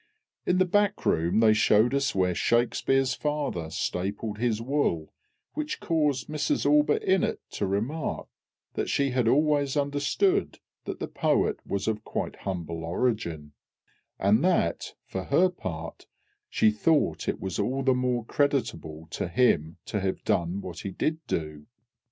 In the back room they showed us where SHAKSPEARE'S father stapled his wool, which caused Mrs ALLBUTT INNETT to remark that she had always understood that the poet was of quite humble origin, and that, for her part, she thought it was all the more creditable to him to have done what he did do.